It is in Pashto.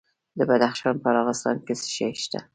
د بدخشان په راغستان کې څه شی شته؟